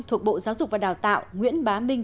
thuộc bộ giáo dục và đào tạo nguyễn bá minh